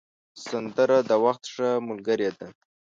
سندره د وخت ښه ملګرې ده